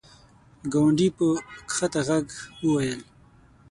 ګاونډي په کښته ږغ وویل !